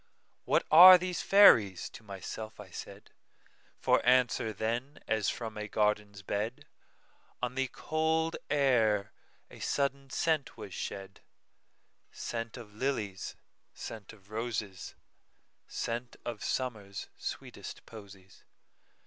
"What are these fairies?" to myself I said; For answer, then, as from a garden's bed, On the cold air a sudden scent was shed,—Scent of lilies, scent of roses, Scent of Summer's sweetest posies.